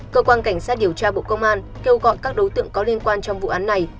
cơ quan cảnh sát điều tra bộ công an kêu gọi các đối tượng có liên quan trong vụ án này